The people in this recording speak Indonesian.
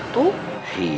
masa kok kita sudah berhubung